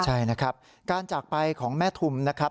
ใช่นะครับการจากไปของแม่ทุมนะครับ